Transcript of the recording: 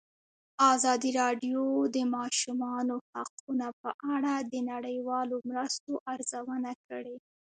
ازادي راډیو د د ماشومانو حقونه په اړه د نړیوالو مرستو ارزونه کړې.